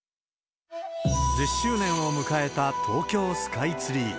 １０周年を迎えた東京スカイツリー。